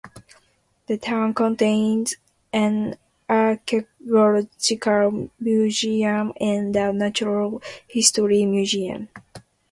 The town contains an archaeological museum and a natural history museum.